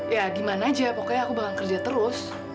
ya gimana aja pokoknya aku bakal kerja terus